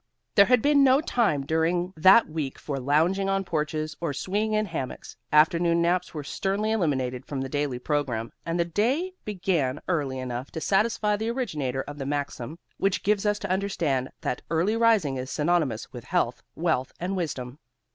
There had been no time during that week for lounging on porches, or swinging in hammocks. Afternoon naps were sternly eliminated from the daily program, and the day began early enough to satisfy the originator of the maxim which gives us to understand that early rising is synonymous with health, wealth and wisdom.